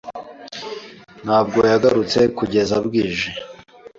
Ntabwo yagarutse kugeza bwije.